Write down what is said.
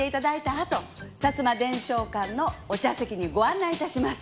あと薩摩伝承館のお茶席にご案内致します。